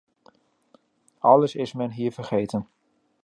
Alles is men hier vergeten.